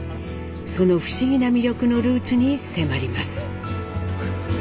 その不思議な魅力のルーツに迫ります。